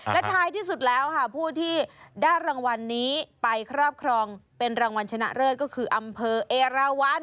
และท้ายที่สุดแล้วค่ะผู้ที่ได้รางวัลนี้ไปครอบครองเป็นรางวัลชนะเลิศก็คืออำเภอเอราวัน